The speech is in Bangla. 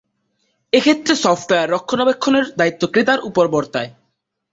এক্ষেত্রে সফটওয়্যার রক্ষণাবেক্ষণের দায়িত্ব ক্রেতার উপর বর্তায়।